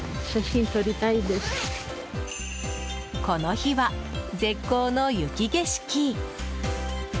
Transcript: この日は、絶好の雪景色！